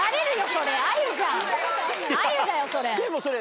それあゆじゃんあゆだよそれ。